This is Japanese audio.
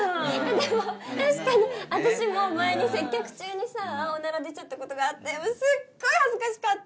でも確かに私も前に接客中にさぁオナラ出ちゃったことがあってもうすっごい恥ずかしかった！